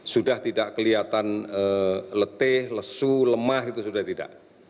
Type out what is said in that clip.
sudah tidak kelihatan letih lesu lemah itu sudah tidak